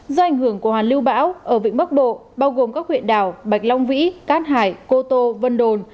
do ảnh hưởng của hoàn lưu bão ở vĩnh bắc bộ bao gồm các huyện đảo bạch long vĩ cát hải cô tô vân đồn